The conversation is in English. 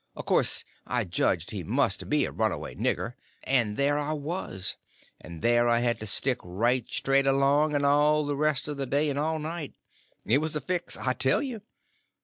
Of course I judged he must be a runaway nigger, and there I was! and there I had to stick right straight along all the rest of the day and all night. It was a fix, I tell you!